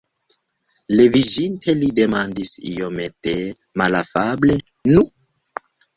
Leviĝinte li demandis iomete malafable: "Nu?"